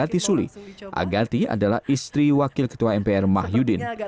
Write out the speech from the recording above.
agati suli agati adalah istri wakil ketua mpr mah yudin